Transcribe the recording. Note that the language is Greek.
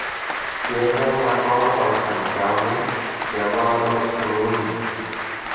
κι έβγαζα ακόμα τα λαχανικά μου και αγόραζα το ψωμί μου.